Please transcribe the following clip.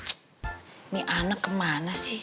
ini anak kemana sih